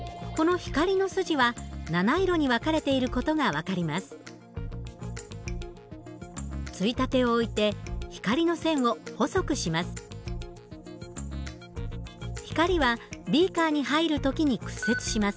光はビーカーに入る時に屈折します。